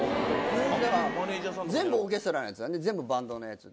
全部オーケストラのやつだね全部バンドのやつで。